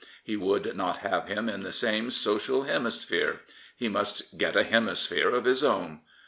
He would not have him in the same social hemisphere. He must get a hemisphere of his own.